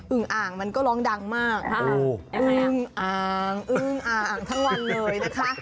อ่างมันก็ร้องดังมากอึ้งอ่างอึ้งอ่างทั้งวันเลยนะคะ